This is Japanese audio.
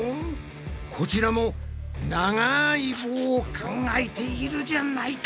こちらも長い棒を考えているじゃないか！